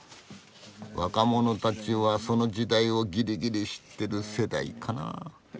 若者たちはその時代をギリギリ知ってる世代かな。